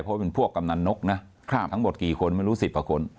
เพราะเป็นพวกกำนันนกนะทั้งหมดกี่คนไม่รู้๑๐กว่าคน